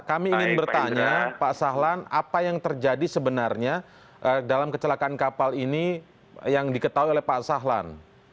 kami ingin bertanya pak sahlan apa yang terjadi sebenarnya dalam kecelakaan kapal ini yang diketahui oleh pak sahlan